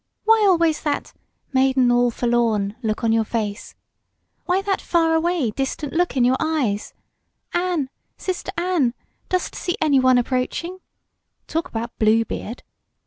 Why always that 'maiden all forlorn' look on your face? Why that far away, distant look in your eyes 'Anne, Sister Anne, dost see anyone approaching?' Talk about Bluebeard!